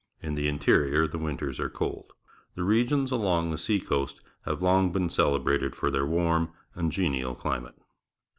In the interior the winters are cold. The regions along the sea coast have long been celebrated for their warm and genial climate.